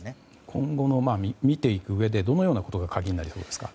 今後見ていくうえでどのようなことが鍵になりそうですか。